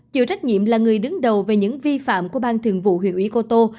chịu trách nhiệm là người đứng đầu về những vi phạm của ban thường vụ huyện ủy cô tô